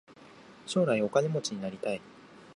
将来お金持ちになりたい。